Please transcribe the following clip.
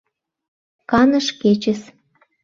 Каныш кечыс.